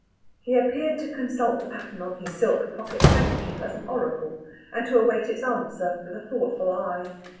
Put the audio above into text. He appeared to consult the pattern on his silk pocket handkerchief as an oracle, and to await its answer with a thoughtful eye.